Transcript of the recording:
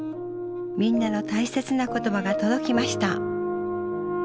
みんなの大切な言葉が届きました。